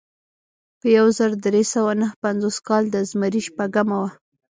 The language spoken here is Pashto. په یو زر درې سوه نهه پنځوس کال د زمري شپږمه وه.